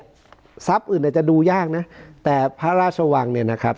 ทรัพย์อื่นอาจจะดูยากนะแต่พระราชวังเนี่ยนะครับ